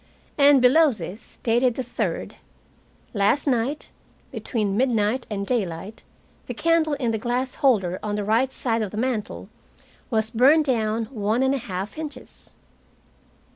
And below this, dated the third: Last night, between midnight and daylight, the candle in the glass holder on the right side of the mantel was burned down one and one half inches.